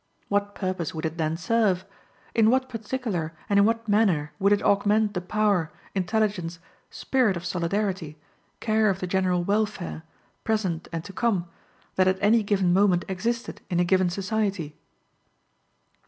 What purpose would it then serve? In what particular and in what manner would it augment the power, intelligence, spirit of solidarity, care of the general welfare, present and to come, that at any given moment existed in a given society?